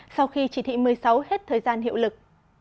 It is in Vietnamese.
sau khi chỉ thị một mươi sáu hết thời gian hiệu lực